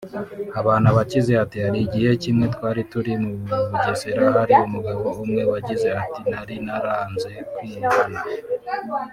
Habanabakize ati “ Hari igihe kimwe twari turi Bugesera hari umugabo umwe wagize ati ‘nari naranze kwihana